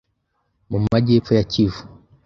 mu majyepfo ya Kivu,